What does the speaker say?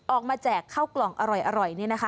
ออกมาแจกข้าวกล่องอร่อยนี่นะคะ